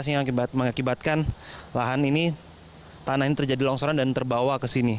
ini adalah penyebab yang mengakibatkan tanah ini terjadi longsoran dan terbawa ke sini